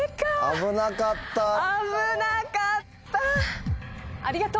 危なかった。